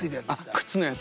靴のやつ。